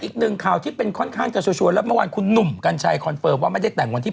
อีกหนึ่งข่าวที่เป็นค่อนข้างจะชัวร์แล้วเมื่อวานคุณหนุ่มกัญชัยคอนเฟิร์มว่าไม่ได้แต่งวันที่๑